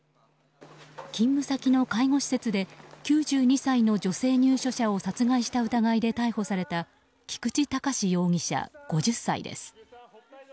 勤務先の介護施設で９２歳の女性入所者を殺害した疑いで逮捕された菊池隆容疑者、５０歳です。